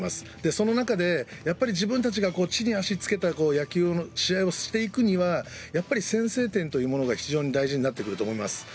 その中で自分たちが地に足つけた野球、試合をしていくにはやっぱり先制点というのが非常に大事になってくると思います。